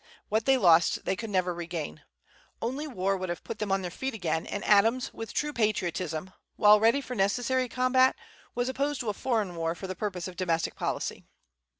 What they lost they never could regain. Only war would have put them on their feet again; and Adams, with true patriotism, while ready for necessary combat, was opposed to a foreign war for purposes of domestic policy.